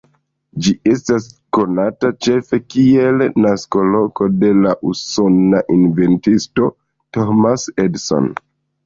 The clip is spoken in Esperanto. Ĝi estas konata ĉefe kiel naskoloko de la usona inventisto Thomas Edison.